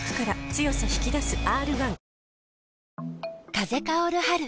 風薫る春。